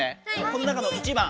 この中の１番。